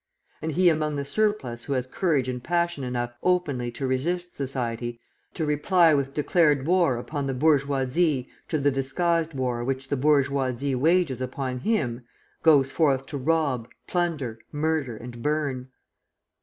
And he among the "surplus" who has courage and passion enough openly to resist society, to reply with declared war upon the bourgeoisie to the disguised war which the bourgeoisie wages upon him, goes forth to rob, plunder, murder, and burn!